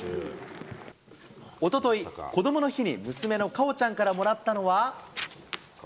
おととい、こどもの日に娘の果緒ちゃんからもらったのは。